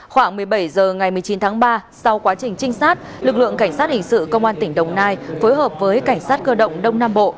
khoảng một mươi bảy h ngày một mươi chín tháng ba sau quá trình trinh sát lực lượng cảnh sát hình sự công an tỉnh đồng nai phối hợp với cảnh sát cơ động đông nam bộ